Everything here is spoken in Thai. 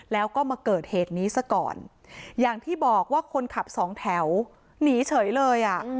แล้วก็มาเกิดเหตุนี้ซะก่อนอย่างที่บอกว่าคนขับสองแถวหนีเฉยเลยอ่ะ